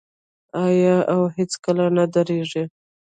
آیا او هیڅکله نه دریږي؟